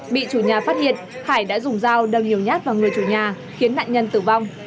bị chủ nhà phát hiện hải đã dùng dao đâm nhiều nhát vào người chủ nhà khiến nạn nhân tử vong